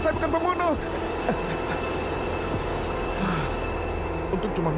saya bukan pembunuh saya bukan pembunuh